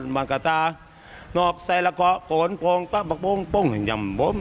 มิวเวอร์